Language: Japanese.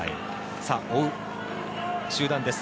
追う集団です。